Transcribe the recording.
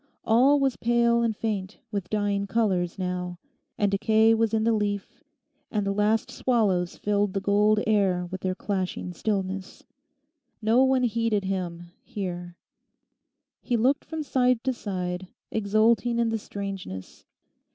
All was pale and faint with dying colours now; and decay was in the leaf, and the last swallows filled the gold air with their clashing stillness. No one heeded him here. He looked from side to side, exulting in the strangeness.